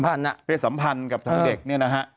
เป็นสัมพันธ์กับว่าเนี่ยนะฮะ